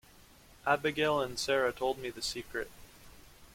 Abigail and Sara told me the secret.